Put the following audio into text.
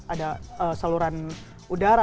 ada saluran udara